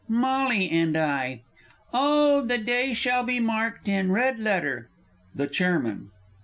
_ "MOLLY AND I. "Oh! the day shall be marked in red letter " _The Chairman.